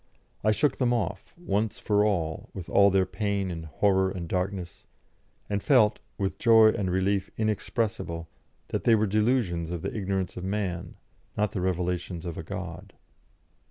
I shook them off, once for all, with all their pain and horror and darkness, and felt, with joy and relief inexpressible, that they were delusions of the ignorance of man, not the revelations of a God.